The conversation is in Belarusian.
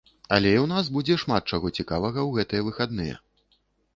Але і ў нас будзе шмат чаго цікавага ў гэтыя выхадныя.